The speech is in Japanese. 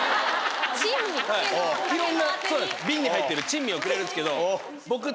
いろんな瓶に入ってる珍味をくれるんですけど。